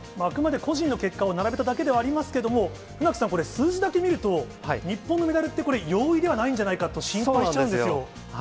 あくまで個人の結果を並べただけではありますけれども、船木さん、これ数字だけ見ると、日本のメダルってこれ、容易ではないんじゃないかと心配しちゃうそうですよ。